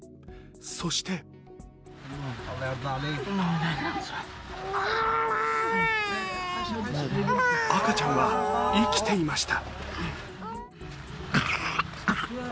そして赤ちゃんは生きていました。